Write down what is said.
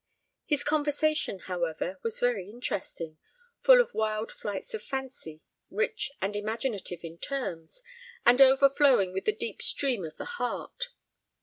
His conversation, however, was very interesting, full of wild flights of fancy, rich and imaginative in terms, and overflowing with the deep stream of the heart.